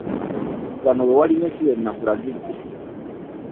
Wano we walimye si we nakulagidde.